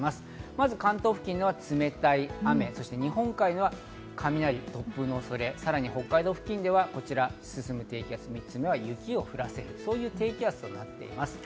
まず関東付近は冷たい雨、日本海では雷、突風の恐れ、さらに北海道付近では３つ目の雪を降らせる、そういう低気圧となっています。